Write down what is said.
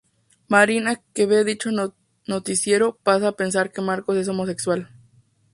Marina, que ve dicho noticiero, pasa a pensar que Marcos es homosexual.